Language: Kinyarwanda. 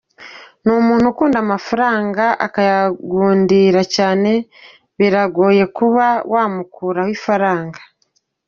Ni umuntu ukunda amafaranga, akayagundira cyane biragoye kuba wamukuraho ifaranga.